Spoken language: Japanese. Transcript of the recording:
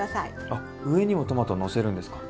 あ上にもトマトをのせるんですか？